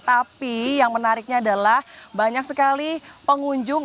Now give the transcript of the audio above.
tapi yang menariknya adalah banyak sekali pengunjung